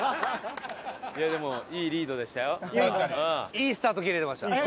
いいスタート切れてました。